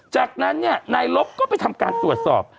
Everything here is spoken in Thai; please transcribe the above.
จากนั้นนายลบก็ไปทำการตรวจสอบ